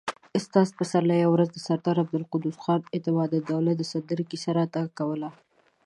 استاد پسرلي يوه ورځ د سردار عبدالقدوس خان اعتمادالدوله د سندرې کيسه راته کوله.